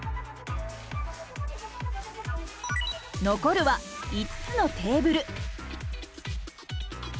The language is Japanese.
残るは５つのテーブル。